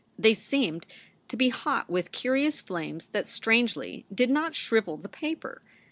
They seemed to be hot with curious flames that strangely did not shrivel the paper.